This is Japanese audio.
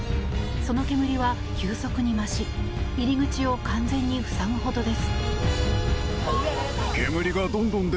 その煙は急速に増し入り口を完全に塞ぐほどです。